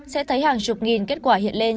sẽ thấy hàng chục nghìn kết quả hiện lên